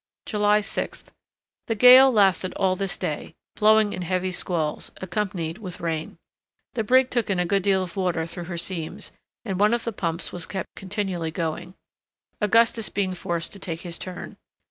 July 6th. The gale lasted all this day, blowing in heavy squalls, accompanied with rain. The brig took in a good deal of water through her seams, and one of the pumps was kept continually going, Augustus being forced to take his turn.